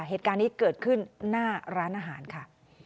เหตุการณ์นี้เกิดขึ้นหน้าร้านอาหารค่ะ